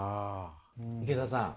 池田さん